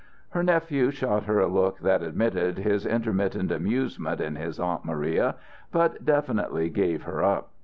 Her nephew shot her a look that admitted his intermittent amusement in his aunt Maria, but definitely gave her up.